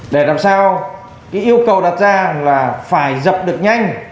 để làm sao cái yêu cầu đặt ra là phải dập được nhanh